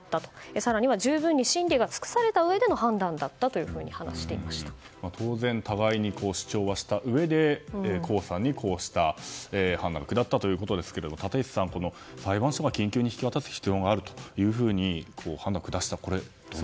更には十分に審理が尽くされたうえでの判断だったと当然、互いに主張したうえで江さんにこうした判断が下ったということですが、立石さん裁判所が緊急に引き渡す必要があると判断を下した。